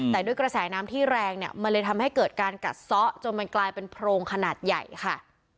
แต่ด้วยกระแสน้ำที่แรงเนี่ยมันเลยทำให้เกิดการกัดซ้อจนมันกลายเป็นโพรงขนาดใหญ่ค่ะ